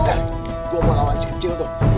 gua mau lawan cicil tuh